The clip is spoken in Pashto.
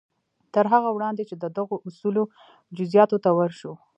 تر هغه وړاندې چې د دغو اصولو جزياتو ته ورشو.